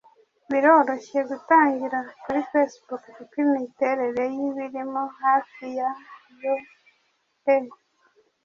Birorohye gutangira kuri Facebook kuko imiterere yibirimo hafi ya yoe